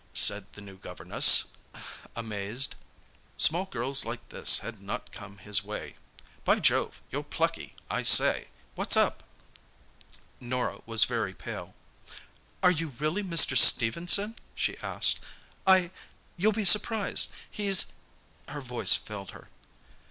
said the new "governess" amazed. Small girls like this had not come his way. "By Jove, you're plucky! I say, what's up?" Norah was very pale. "Are you really Mr. Stephenson?" she asked. "I... You'll be surprised.... He's..." Her voice failed her.